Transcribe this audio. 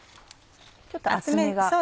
ちょっと厚めが？